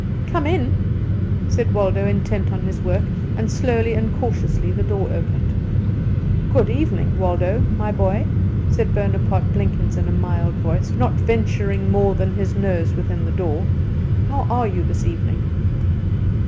"Come in," said Waldo, intent on his work; and slowly and cautiously the door opened. "Good evening, Waldo, my boy," said Bonaparte Blenkins in a mild voice, not venturing more than his nose within the door. "How are you this evening?"